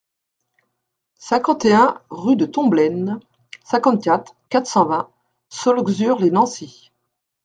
cinquante et un rue de Tomblaine, cinquante-quatre, quatre cent vingt, Saulxures-lès-Nancy